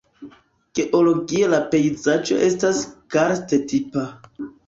Geologie la pejzaĝo estas karst-tipa.